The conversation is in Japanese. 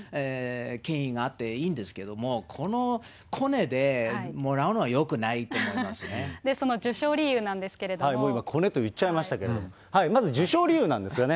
権威があっていいんですけれども、コネでもらうのはよくないと思いその受賞理由なんですけれどもうコネと言っちゃいましたけれども、まず受賞理由なんですよね。